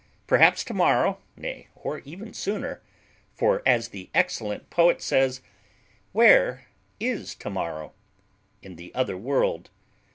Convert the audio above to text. Perhaps to morrow nay, or even sooner; for as the excellent poet says Where is to morrow? In the other world.